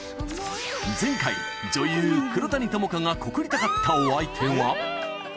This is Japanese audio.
前回、女優、黒谷友香が告りたかったお相手は。